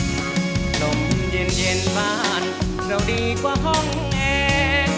กลมเย็นเย็นบ้านเราดีกว่าห้องแอ